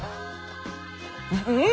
うん！